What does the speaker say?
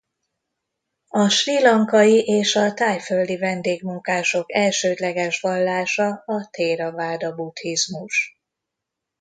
A srí lankai és a thaiföldi vendégmunkások elsődleges vallása a théraváda buddhizmus.